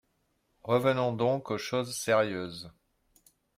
Revenons donc aux choses sérieuses.